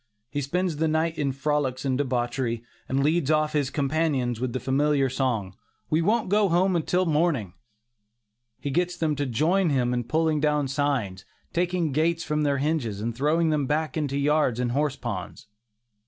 He spends the night in frolics and debauchery, and leads off his companions with the familiar song, "we won't go home till morning." He gets them to join him in pulling down signs, taking gates from their hinges and throwing them into back yards and horse ponds.